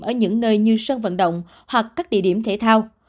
ở những nơi như sân vận động hoặc các địa điểm thể thao